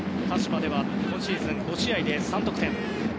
鹿島では今シーズン５試合で３得点。